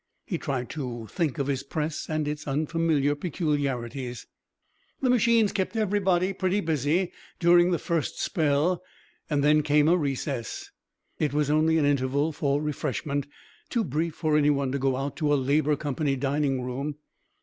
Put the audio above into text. He tried to think of his press and its unfamiliar peculiarities.... The machines kept everybody pretty busy during the first spell, and then came a recess. It was only an interval for refreshment, too brief for any one to go out to a Labour Company dining room.